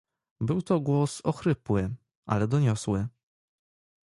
"Był to głos ochrypły, ale doniosły."